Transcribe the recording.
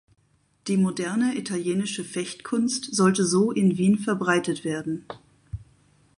Die moderne italienische Fechtkunst sollte so in Wien verbreitet werden.